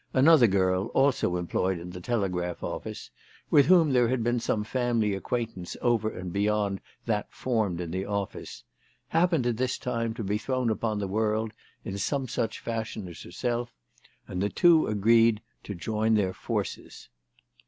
Another girl, also employed in the Telegraph Office, with whom there had been some family acquaint ance over and beyond that formed in the office, happened at this time to be thrown upon the world in some such fashion as herself, and the two agreed to join their forces.